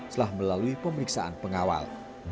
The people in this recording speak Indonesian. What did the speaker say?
setelah melalui pemeriksaan pengawal